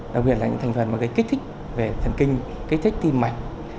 đặc biệt là những thành phần mà gây kích thích về thần kinh kích thích tim mạch